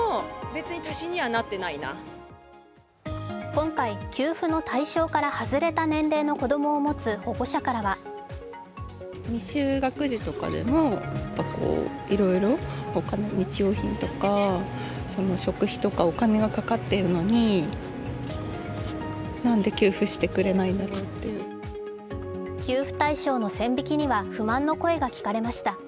今回、給付の対象から外れた年齢の子供を持つ保護者からは給付対象の線引きには不満の声が聞かれました。